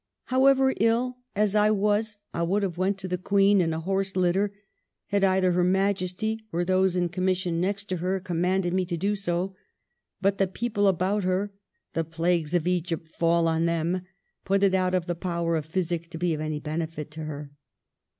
'However ill as I was I would have went to the Queen in a horse litter had either Her Majesty or those in commission next to her com manded me so to do, but the people about her — the plagues of Egypt fall on them — put it out of the power of physic to be of any benefit to her.'